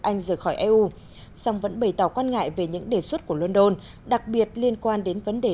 anh rời khỏi eu song vẫn bày tỏ quan ngại về những đề xuất của london đặc biệt liên quan đến vấn đề